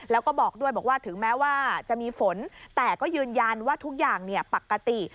แล้วก็บอกด้วยบอกว่าถึงแม้ว่าจะมีฝนแต่ก็ยืนยันว่าทุกอย่างปกติ